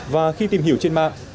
và khi tìm hiểu trên mạng